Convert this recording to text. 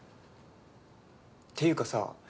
っていうかさ